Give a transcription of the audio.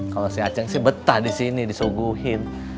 kalau si aceng betah disini disuguhin